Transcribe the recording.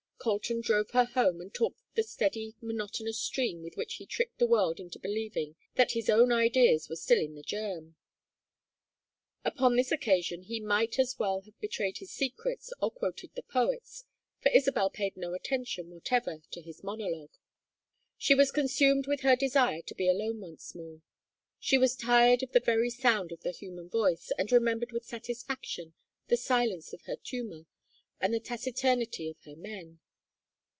Colton drove her home, and talked the steady monotonous stream with which he tricked the world into believing that his own ideas were still in the germ. Upon this occasion he might as well have betrayed his secrets or quoted the poets, for Isabel paid no attention whatever to his monologue. She was consumed with her desire to be alone once more. She was tired of the very sound of the human voice, and remembered with satisfaction the silence of her Chuma and the taciturnity of her men.